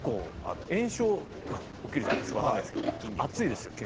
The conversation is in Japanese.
炎症が起きるじゃないですか分からないけど、結構暑いんですよ。